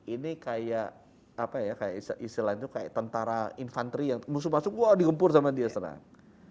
ini kayak apa ya kayak istilah itu kayak tentara infanteri yang musuh masuk wah digempur sama dia serang